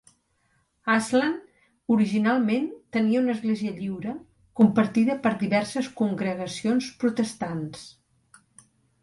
Ashland originalment tenia una Església Lliure, compartida per diverses congregacions protestants.